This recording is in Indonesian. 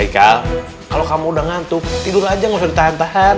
hei kal kalau kamu udah ngantuk tidur aja nggak usah ditahan tahan